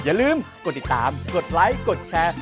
อย่าลืมกดติดตามกดไลค์กดแชร์